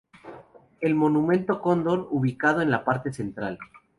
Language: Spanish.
El monumento al cóndor, ubicado en el parque central.